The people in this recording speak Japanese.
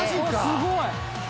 すごい！